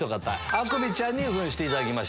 アクビちゃんに扮していただきました